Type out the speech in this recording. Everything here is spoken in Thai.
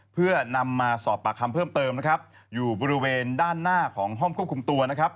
เพื่อนำมาสอบปากคำเพิ่มเติมนะครับอยู่บริเวณด้านหน้าของห้องควบคุมตัวนะครับ